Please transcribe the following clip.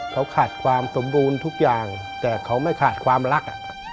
เขาขาดความสมบูรณ์ทุกอย่างแต่เขาไม่ขาดความรัก